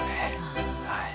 はい。